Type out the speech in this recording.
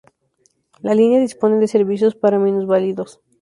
La línea dispone de servicios para minusválidos.